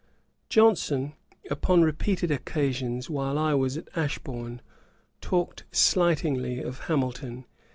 Johnson, upon repeated occasions, while I was at Ashbourne, talked slightingly of Hamilton.